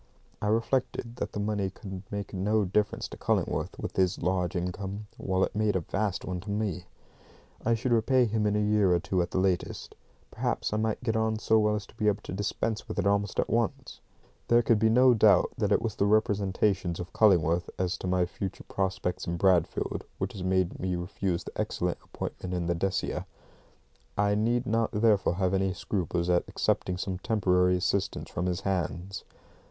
I reflected that the money could make no difference to Cullingworth, with his large income, while it made a vast one to me. I should repay him in a year or two at the latest. Perhaps I might get on so well as to be able to dispense with it almost at once. There could be no doubt that it was the representations of Cullingworth as to my future prospects in Bradfield which had made me refuse the excellent appointment in the Decia. I need not therefore have any scruples at accepting some temporary assistance from his hands.